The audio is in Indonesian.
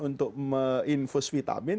untuk menginfus vitamin